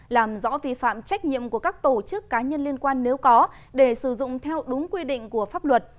làm rõ vi phạm trách nhiệm của các tổ chức cá nhân liên quan nếu có để sử dụng theo đúng quy định của pháp luật